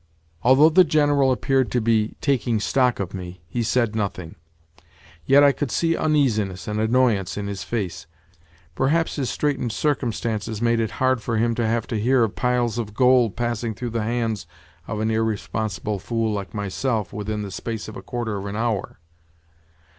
Although the General appeared to be taking stock of me, he said nothing. Yet I could see uneasiness and annoyance in his face. Perhaps his straitened circumstances made it hard for him to have to hear of piles of gold passing through the hands of an irresponsible fool like myself within the space of a quarter of an hour.